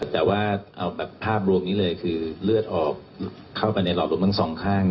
แต่ว่าเอาแบบภาพรวมนี้เลยคือเลือดออกเข้าไปในหลอดลมทั้งสองข้าง